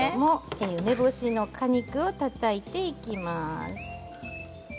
梅干しの果肉をたたいていきます。